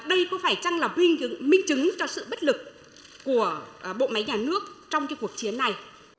đây có phải chăng là minh chứng cho sự bất lực của bộ máy nhà nước trong cuộc chiến này